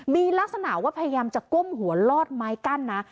มีลักษณะว่าพยายามจะก้มหัวลอดไม้กั้นนะ